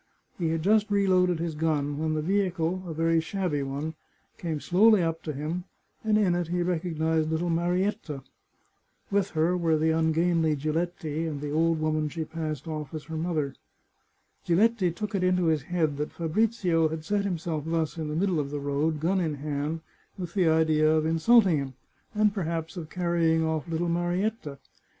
He had just reloaded his gun when the vehicle, a very shabby one, came slowly up to him, and in it he recognised little Marietta. With her were the ungainly Giletti and the old woman she passed off as her mother. Giletti took it into his head that Fabrizio had set him self thus in the middle of the road, gun in hand, with the idea of insulting him, and perhaps of carrying off little Marietta.